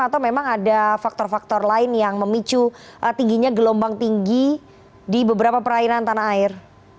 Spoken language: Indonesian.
apakah faktor faktor lain yang memicu tingginya gelombang tinggi di beberapa perairan tanah air